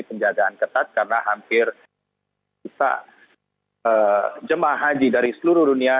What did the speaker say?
penjagaan ketat karena hampir juta jemaah haji dari seluruh dunia